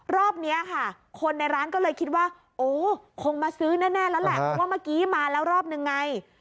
รอบนี้ค่ะคนในร้านก็เลยคิดว่าโอ้คงมาซื้อแน่แล้วแหละเพราะว่าเมื่อกี้มาแล้วรอบนึงไง